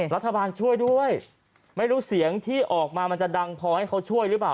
รัฐบาลช่วยด้วยไม่รู้เสียงที่ออกมามันจะดังพอให้เขาช่วยหรือเปล่า